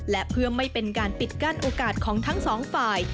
และเพื่อไม่เป็นการปิดกั้นโอกาสของทั้งสองฝ่าย